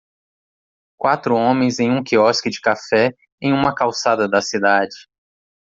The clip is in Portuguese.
Quatro homens em um quiosque de café em uma calçada da cidade.